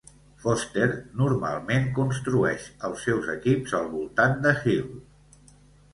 Foster normalment construeix els seus equips al voltant de Hill.